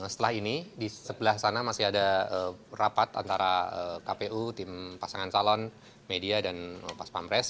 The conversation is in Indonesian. setelah ini di sebelah sana masih ada rapat antara kpu tim pasangan calon media dan pas pampres